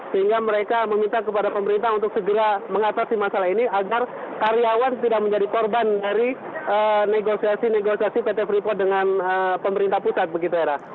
sehingga mereka meminta kepada pemerintah untuk segera mengatasi masalah ini agar karyawan tidak menjadi korban dari negosiasi negosiasi pt freeport dengan pemerintah pusat begitu hera